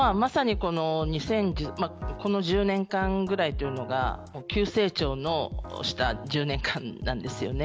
この１０年間ぐらいというのが急成長した１０年間なんです。